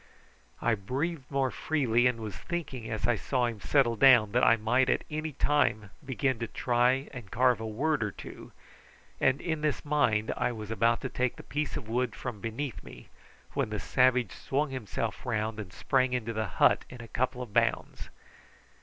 I breathed more freely, and was thinking as I saw him settle down that I might at any time begin to try and carve a word or two, and in this mind I was about to take the piece of wood from beneath me when the savage swung himself round and sprang into the hut in a couple of bounds.